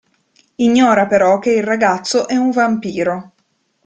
Ignora però che il ragazzo è un vampiro.